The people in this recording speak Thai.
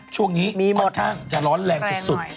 ช่วงนี้ค่อนข้างจะร้อนแรงสุด